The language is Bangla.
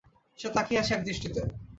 সে তাকিয়ে আছে এক দৃষ্টিতে।